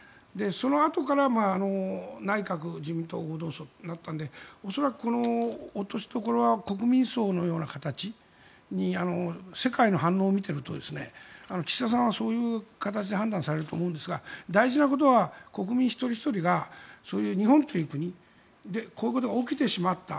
そのあとから内閣・自民党合同葬になったので恐らく、この落としどころは国民葬のような形世界の反応を見ていると岸田さんはそういう形で判断されると思うんですが大事なことは国民一人ひとりが日本という国でこういうことが起きてしまった。